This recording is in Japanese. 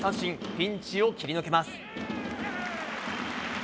ピンチを切り抜けます。